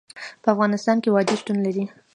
په افغانستان کې وادي شتون لري.